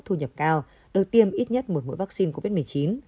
thu nhập cao được tiêm ít nhất một mũi vaccine covid một mươi chín